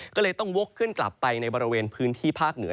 ก็เลยต้องวกขึ้นกลับไปในบริเวณพื้นที่ภาคเหนือ